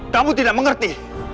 kamu tidak mengerti